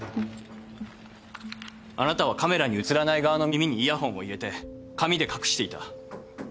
あなたはカメラに写らない側の耳にイヤホンを入れて髪で隠していた。